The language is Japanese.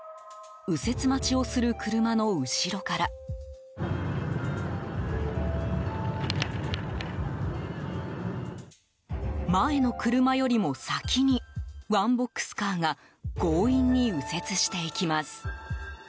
右折待ちをする車の後ろから前の車よりも先にワンボックスカーが強引に右折していきます。